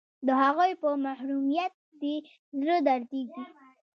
د هغوی په محرومیت دې زړه دردیږي